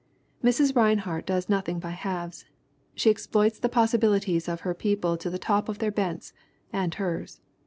Mrs. Rinehart does nothing by halves, she exploits the possibilities of her people to the top of their bents and hers.